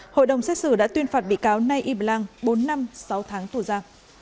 hội đồng xét xử đã tuyên phạt bị cáo nay y blanc bốn năm sáu tháng tù gia